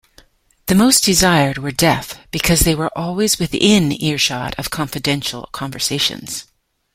The most desired were deaf because they were always within earshot of confidential conversations.